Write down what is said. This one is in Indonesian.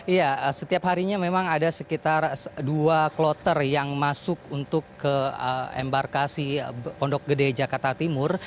iya setiap harinya memang ada sekitar dua kloter yang masuk untuk ke embarkasi pondok gede jakarta timur